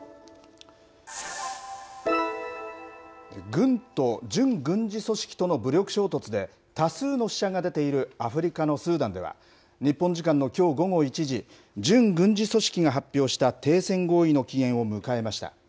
軍と準軍事組織との武力衝突で、多数の死者が出ているアフリカのスーダンでは、日本時間のきょう午後１時、準軍事組織が発表した停戦合意の期限を迎えました。